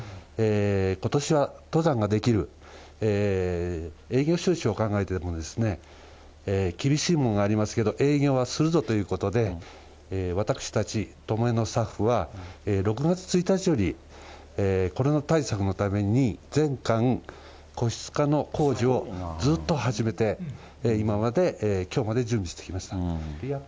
ことしは登山ができる、営業収支を考えても、厳しいものがありますけど、営業はするぞということで、私たち、トモエのスタッフは、６月１日よりコロナ対策のために全館、個室化の工事をずっと始めて、今まで、きょうまで準備してきました。